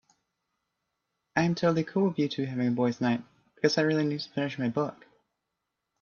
I am totally cool with you two having a boys' night because I really need to finish my book.